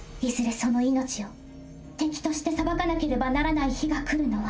その命を敵として裁かなければならない日がくるのは。